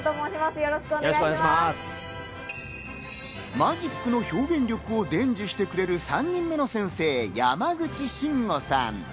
マジックの表現力を伝授してくれる３人目の先生、山口真吾さん。